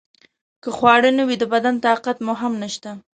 که خواړه نه وي د بدن طاقت مو هم نشته.